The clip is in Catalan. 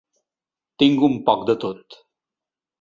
Tinc un poc de tot.